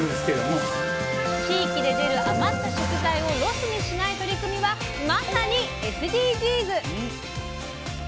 地域で出る余った食材をロスにしない取り組みはまさにＳＤＧｓ。